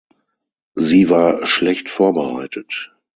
Sie war schlecht vorbereitet.